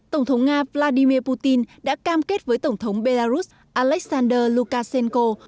tổng thống nga vladimir putin đã cam kết với tổng thống belarus alexander lukashenko